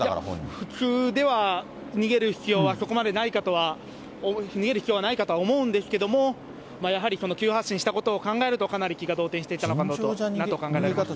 普通では逃げる必要はそこまでないかとは、逃げる必要はないかとは思うんですけれども、やはり急発進したことを考えると、かなり気が動転していたのかなと考えられます。